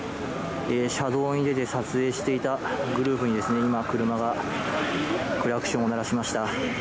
車道に出て撮影していたグループに今、車がクラクションを鳴らしました。